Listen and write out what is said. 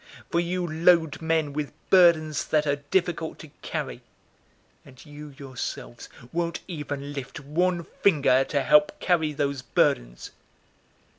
For you load men with burdens that are difficult to carry, and you yourselves won't even lift one finger to help carry those burdens.